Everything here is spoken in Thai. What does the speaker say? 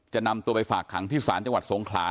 นำตัวไปฝากขังที่ศาลจังหวัดสงขลา